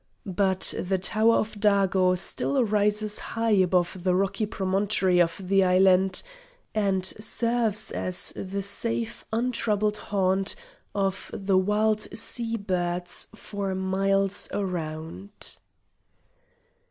But the Tower of Dago still rises high above the rocky promontory of the island, and serves as the safe untroubled haunt of the wild sea birds for miles around.